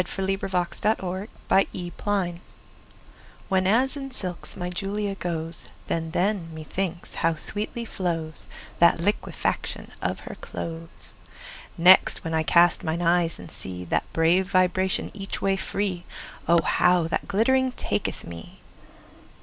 Whenas in Silks WHENAS in silks my Julia goesThen, then (methinks) how sweetly flowsThat liquefaction of her clothes. Next, when I cast mine eyes and seeThat brave vibration each way free;O how that glittering taketh me!